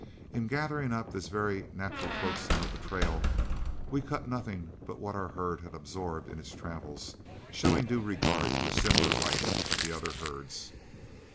In gathering up this very natural flotsam of the trail, we cut nothing but what our herd had absorbed in its travels, showing due regard to a similar right of the other herds.